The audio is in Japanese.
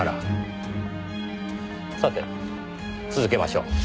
さて続けましょう。